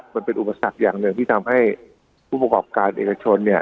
มันเป็นอุปสรรคอย่างหนึ่งที่ทำให้ผู้ประกอบการเอกชนเนี่ย